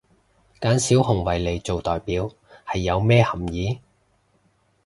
揀小熊維尼做代表係有咩含意？